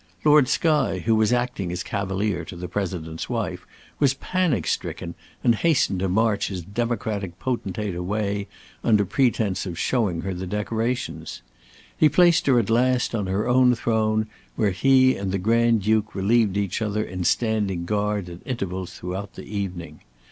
Lord Skye, who was acting as cavalier to the President's wife, was panic stricken, and hastened to march his democratic potentate away, under pretence of showing her the decorations. He placed her at last on her own throne, where he and the Grand Duke relieved each other in standing guard at intervals throughout the evening.